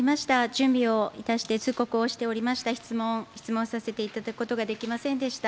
準備をいたして通告をしておりました質問をさせていただくことができませんでした。